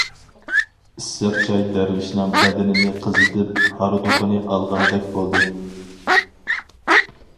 ئىسسىق چاي دەرۋىشنىڭ بەدىنىنى قىزىتىپ، ھاردۇقىنى ئالغاندەك بولدى.